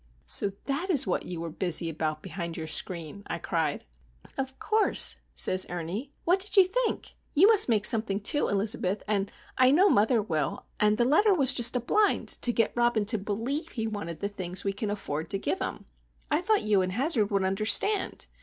"So that is what you were busy about behind your screen?" I cried. "Of course," says Ernie. "What did you think? You must make something, too, Elizabeth, and I know mother will; and the letter was just a blind to get Robin to believe he wanted the things we can afford to give him. I thought you and Hazard would understand.